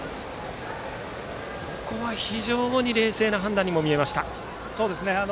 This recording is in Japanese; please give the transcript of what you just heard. ここは非常に冷静な判断に見えました。